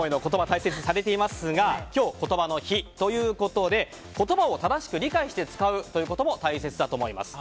大切にされていますが今日、ことばの日ということで言葉を正しく理解して使うということも大切だと思います。